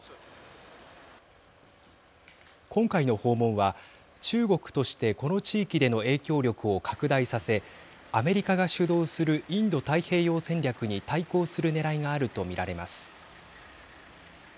今回の訪問は中国としてこの地域での影響力を拡大させアメリカが主導するインド太平洋戦略に対抗するねらいがあるとみられます。